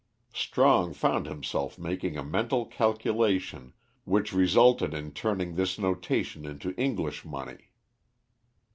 Strong found himself making a mental calculation which resulted in turning this notation into English money.